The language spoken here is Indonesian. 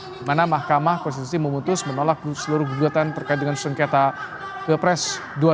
di mana mahkamah konstitusi memutus menolak seluruh gugatan terkait dengan susun keta bepres dua ribu dua puluh empat